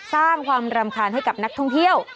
สร้างความรำคาญให้กับนักท่องเที่ยว